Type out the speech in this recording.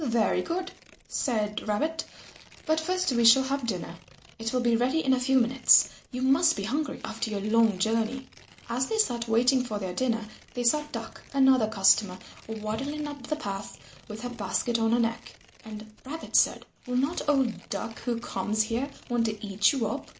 "Very good," said Rabbit, "but first we shall have dinner. It will be ready in a few minutes. You must be hungry after your long journey." As they sat waiting for their dinner they saw Duck, another customer, waddling up the path with her basket on her neck. And Rabbit said, "Will not old Duck who comes here want to eat you up?"